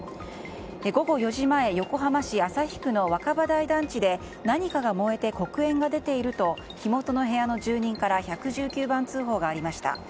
午後４時前横浜市旭区の若葉台団地で何かが燃えて黒煙が出ていると火元の部屋の住民から１１９番通報がありました。